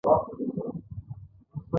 د سلسله مراتبو نواقص هم باید بیان شي.